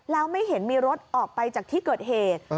แล้วไม่เห็นมีรถออกไปจากที่เกิดเหตุ